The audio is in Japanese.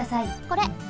これ！